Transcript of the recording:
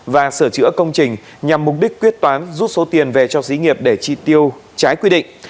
và sửa chữa công trình nhằm mục đích quyết toán rút số tiền về cho xí nghiệp để chi tiêu trái quy định